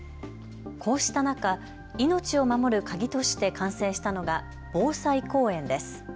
こうした中、命を守る鍵として完成したのが防災公園です。